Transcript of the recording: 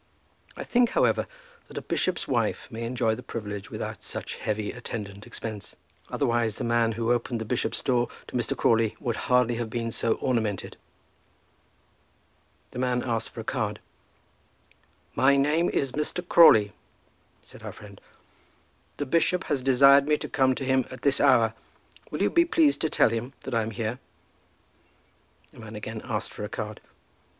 I think, however, that a bishop's wife may enjoy the privilege without such heavy attendant expense; otherwise the man who opened the bishop's door to Mr. Crawley would hardly have been so ornamented. The man asked for a card. "My name is Mr. Crawley," said our friend. "The bishop has desired me to come to him at this hour. Will you be pleased to tell him that I am here." The man again asked for a card.